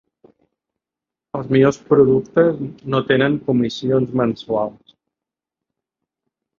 Els millors productes no tenen comissions mensuals.